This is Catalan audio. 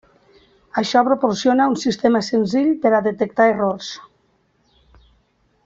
Això proporciona un sistema senzill per a detectar errors.